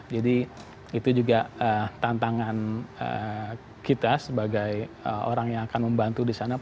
jadi itu juga ee tantangan ee kita sebagai orang yang akan membantu di sana